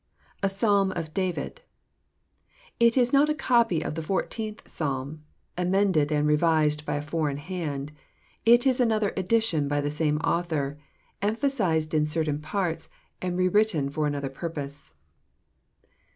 A Psalm of David. It is not a copy of the fourteenth Psalm, emended and revised by a foreign hand; it is another edition by the same author, emphasised in certain parts, and re written for another purpose.